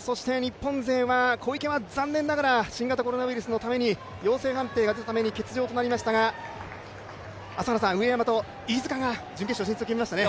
そして日本勢は小池は残念ながら新型コロナの陽性判定が出たために欠場となりましたが朝原さん、上山と飯塚が準決勝進出を決めましたね。